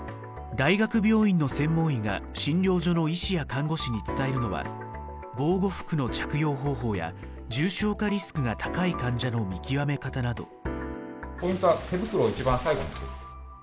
大学病院の専門医が診療所の医師や看護師に伝えるのは防護服の着用方法や重症化リスクが高い患者の見極め方など。